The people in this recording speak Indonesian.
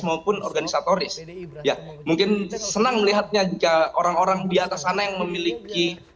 maupun organisatoris mungkin senang melihatnya jika orang orang diatas sana yang memiliki